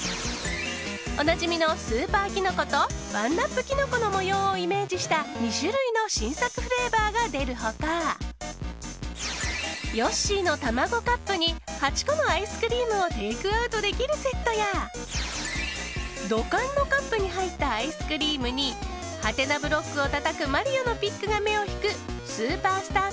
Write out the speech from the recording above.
おなじみのスーパーキノコと１ＵＰキノコの模様をイメージした２種類の新作フレーバーが出る他ヨッシーのタマゴカップに８個のアイスクリームをテイクアウトできるセットや土管のカップに入ったアイスクリームにハテナブロックをたたくマリオのピックが目を引くスーパースター